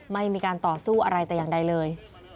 ไม่มีการต่อสู้อะไรแต่อย่างใดเลย